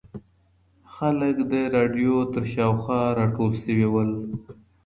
خلک د رادیو تر شاوخوا راټول شوي وو.